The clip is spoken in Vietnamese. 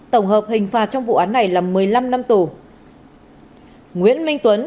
tổng hợp hình phạt trong vụ án này là một mươi năm năm tù